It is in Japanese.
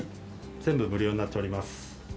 全部無料になっております。